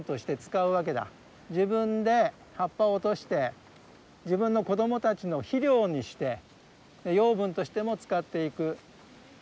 自分で葉っぱを落として自分の子どもたちの肥料にして養分としても使っていくね。